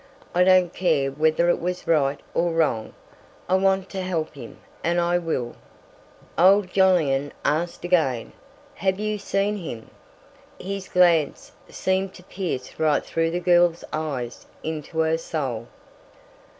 I don't care whether it was right or wrong. I want to help him; and I will!" Old Jolyon asked again: "Have you seen him?" His glance seemed to pierce right through the girl's eyes into her soul.